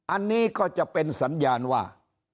อันนี้ก็จะเป็นสัญญาณว่า